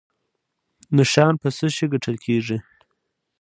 نشان په څه شي ګټل کیږي؟